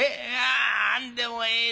何でもええだ」。